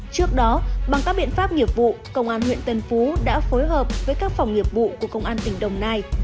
trước đó bằng các biện pháp nghiệp vụ công an huyện tân phú đã phối hợp với các phòng nghiệp vụ của công an tỉnh đồng nai